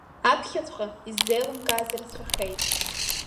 Аԥхьаҵәҟьа иззеилымкааз рацәаҩхеит.